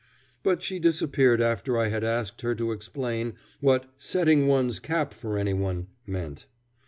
But she disappeared after I had asked her to explain what setting one's cap for any one meant.